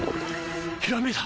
ひらめいた！